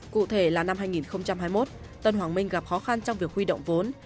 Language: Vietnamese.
cụ thể là năm hai nghìn hai mươi một tân hoàng minh gặp khó khăn trong việc huy động vốn